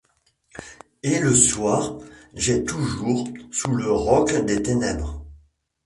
Et, le soir, . j'ai, toujours, sous le roc des ténèbres